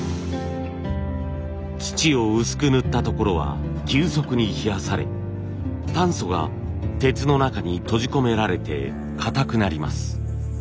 土を薄く塗ったところは急速に冷やされ炭素が鉄の中に閉じ込められて硬くなります。